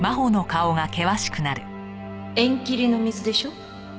縁切りの水でしょ。